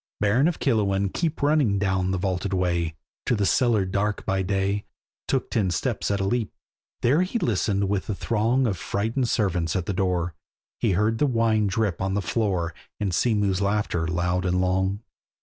Baron of Killowen keep Running down the vaulted way, To the cellar dark by day, Took the ten steps at a leap. There he listened with the throng Of frighted servants at the door, He heard the wine drip on the floor, And sea mew's laughter loud and long.